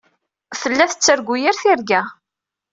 Tella tettargu yir tirga.